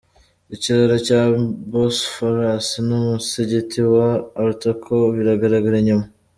Ikiraro cya Bosphorus numusigiti wa Ortaköy biragaragara inyuma.